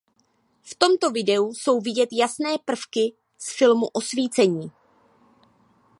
V tomto videu jsou vidět jasné prvky z filmu Osvícení.